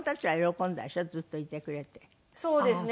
そうですね。